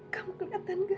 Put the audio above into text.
kamu kelihatan gagah